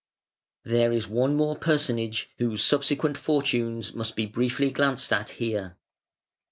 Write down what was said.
There is one more personage whose subsequent fortunes must be briefly glanced at here.